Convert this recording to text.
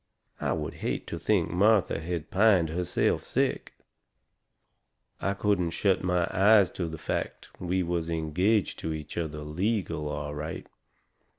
I would hate to think Martha had pined herself sick. I couldn't shut my eyes to the fact we was engaged to each other legal, all right.